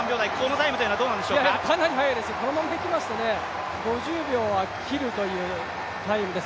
かなり速いです、このままいきますと５０秒は切るというタイムです。